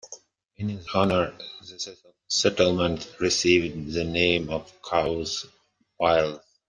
In his honor, the settlement received the name of Cowles villes.